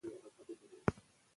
پښتو به کارېدلې وي.